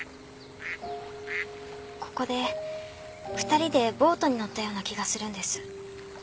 ここで２人でボートに乗ったような気がするんです。